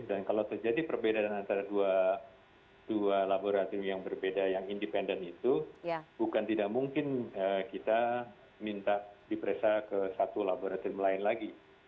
dan kalau terjadi perbedaan antara dua laboratorium yang berbeda yang independen itu bukan tidak mungkin kita minta di presa ke satu laboratorium lain lagi